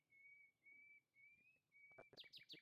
তার হৃদয় তখন বিদ্বেষে ভরপুর।